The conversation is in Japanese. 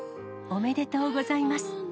おめでとうございます。